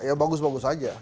ya bagus bagus saja